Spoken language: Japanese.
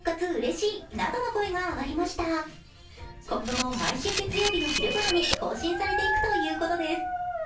今後も毎週月曜日の昼ごろに更新されていくということです。